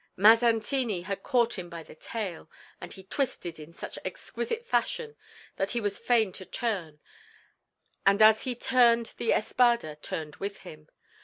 Mazzantini had caught him by the tail, which he twisted in such exquisite fashion that he was fain to turn, and as he turned the espada turned with him.